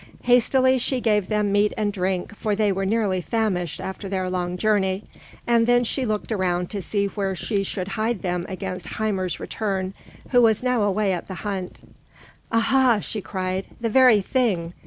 Hastily she gave them meat and drink, for they were nearly famished after their long journey; and then she looked around to see where she should hide them against Hymir's return, who was now away at the hunt. "Aha!" she cried. "The very thing!